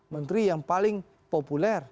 menteri yang paling populer